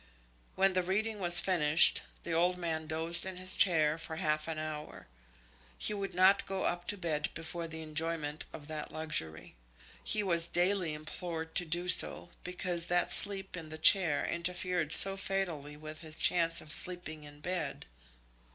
When the reading was finished, the old man dozed in his chair for half an hour. He would not go up to bed before the enjoyment of that luxury. He was daily implored to do so, because that sleep in the chair interfered so fatally with his chance of sleeping in bed.